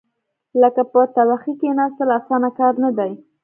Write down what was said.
لکه په تبخي کېناستل، اسانه کار نه دی.